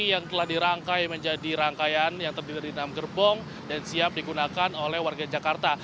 yang telah dirangkai menjadi rangkaian yang terdiri dari enam gerbong dan siap digunakan oleh warga jakarta